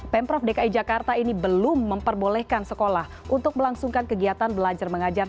pemprov dki jakarta ini belum memperbolehkan sekolah untuk melangsungkan kegiatan belajar mengajar